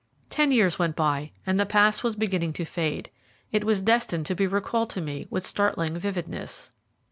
Ten years went by, and the past was beginning to fade. It was destined to be recalled to me with startling vividness.